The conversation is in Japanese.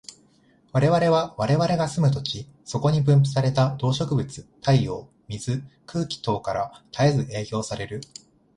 我々は我々の住む土地、そこに分布された動植物、太陽、水、空気等から絶えず影響される。